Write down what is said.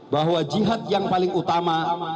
bahwa jihad yang paling utama